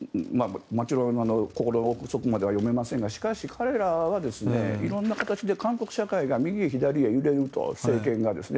心の奥底までは読めませんがしかし、彼らは色んな形で韓国社会が右へ左へ揺れると政権がですね。